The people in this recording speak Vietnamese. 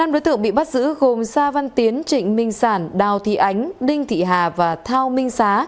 năm đối tượng bị bắt giữ gồm sa văn tiến trịnh minh sản đào thị ánh đinh thị hà và thao minh xá